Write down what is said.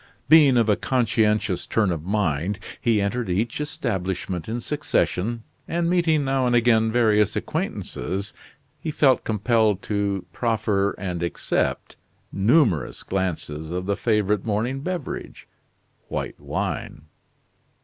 Being of a conscientious turn of mind, he entered each establishment in succession and meeting now and again various acquaintances, he felt compelled to proffer and accept numerous glasses of the favorite morning beverage white wine.